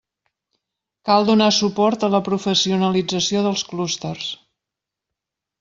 Cal donar suport a la professionalització dels clústers.